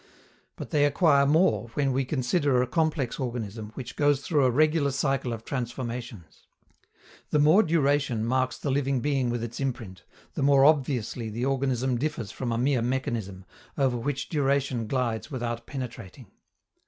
But they acquire more when we consider a complex organism which goes through a regular cycle of transformations. The more duration marks the living being with its imprint, the more obviously the organism differs from a mere mechanism, over which duration glides without penetrating.